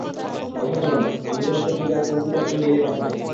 অসাধারণ, আমি তোমাকে পুজার, কম্পিউটারে ই-মেইল পাঠাবো।